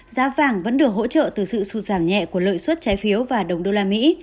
giá vàng vẫn được hỗ trợ từ sự sụt giảm nhẹ của lợi suất trái phiếu và đồng đô la mỹ